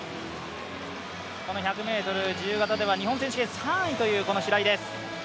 この１００ｍ自由形では日本選手権３位の白井です。